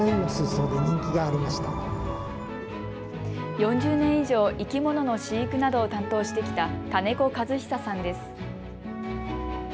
４０年以上、生き物の飼育などを担当してきた金子和久さんです。